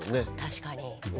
確かに。